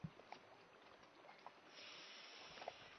Instead, they used rock's tools against itself.